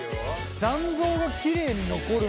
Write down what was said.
残像がきれいに残る。